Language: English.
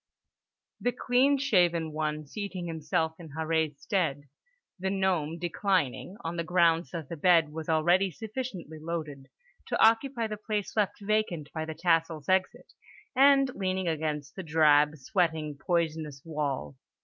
the clean shaven one seating himself in Harree's stead, the gnome declining (on the grounds that the bed was already sufficiently loaded) to occupy the place left vacant by the tassel's exit, and leaning against the drab, sweating, poisonous wall.